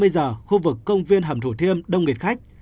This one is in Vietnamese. hai mươi giờ khu vực công viên hầm thủ thiêm đông nghịt khách